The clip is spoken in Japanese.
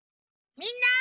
みんな！